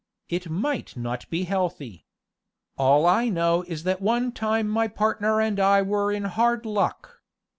It might not be healthy. All I know is that one time my partner and I were in hard luck.